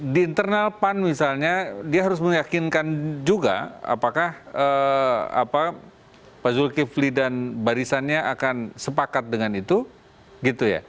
di internal pan misalnya dia harus meyakinkan juga apakah pak zulkifli dan barisannya akan sepakat dengan itu gitu ya